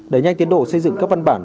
để nhanh tiến đổ xây dựng các văn bản